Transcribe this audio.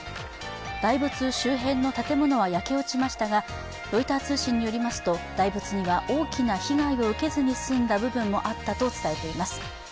大仏周辺の建物は焼け落ちましたが、ロイター通信によりますと、大仏には大きな被害を受けずに済んだ部分もあったと伝えています。